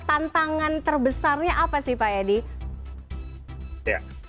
tantangan terbesarnya apa sih pak edi